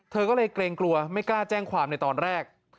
เธอก็เลยเกรงกลัวไม่กล้าแจ้งความในตอนแรก